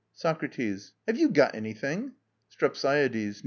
SOCRATES. Have you got hold of anything? STREPSIADES.